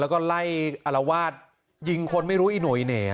แล้วก็ไล่อลวาดยิงคนไม่รู้อีโหยเหน่